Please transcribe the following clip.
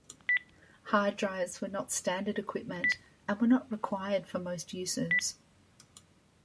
Hard drives were not standard equipment, and were not required for most uses.